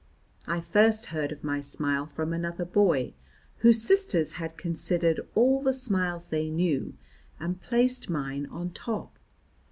I first heard of my smile from another boy, whose sisters had considered all the smiles they knew and placed mine on top.